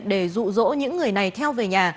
để rụ rỗ những người này theo về nhà